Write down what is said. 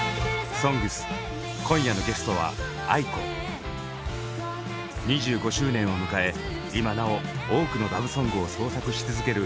「ＳＯＮＧＳ」今夜のゲストは２５周年を迎え今なお多くのラブソングを創作し続ける